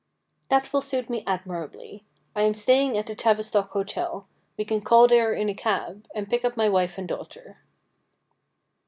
' That will suit me admirably. I am staying at the Tavi stock Hotel ; we can call there in a cab, and pick up my wife and daughter.'